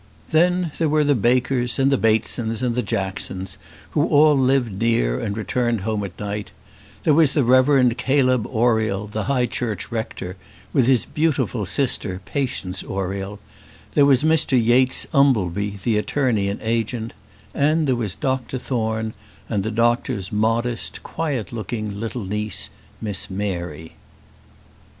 Then there were the Bakers, and the Batesons, and the Jacksons, who all lived near and returned home at night; there was the Reverend Caleb Oriel, the High Church rector, with his beautiful sister, Patience Oriel; there was Mr Yates Umbleby, the attorney and agent; and there was Dr Thorne, and the doctor's modest, quiet looking little niece, Miss Mary.